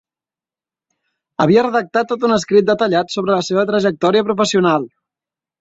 Havia redactat tot un escrit detallat sobre la seva trajectòria professional!